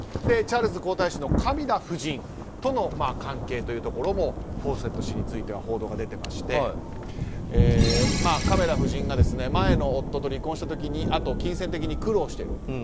チャールズ皇太子のカミラ夫人との関係もフォーセット氏については報道が出ていましてカミラ夫人が前の夫と離婚したあと金銭的に苦労している。